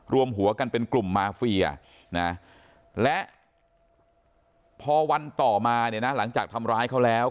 รวมหัวกันเป็นกลุ่มมาเฟียนะและพอวันต่อมาเนี่ยนะหลังจากทำร้ายเขาแล้ว